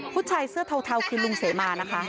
ผู้ชายเสื้อเทาคือลุงเสมานะคะ